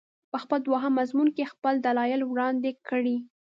په خپل دوهم مضمون کې یې خپل دلایل وړاندې کړي.